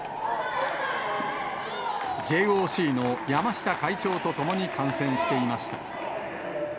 ＪＯＣの山下会長と共に観戦していました。